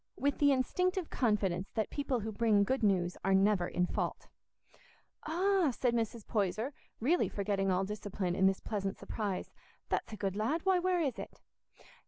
with the instinctive confidence that people who bring good news are never in fault. "Ah," said Mrs. Poyser, really forgetting all discipline in this pleasant surprise, "that's a good lad; why, where is it?"